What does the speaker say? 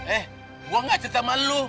eh gua gak jatah sama lu